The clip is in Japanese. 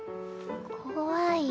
怖い。